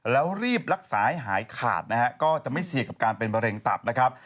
แล้วรีบรักษาให้หายขาดนะฮะก็จะไม่เสี่ยงกับการเป็นมะเร็งตับนะครับ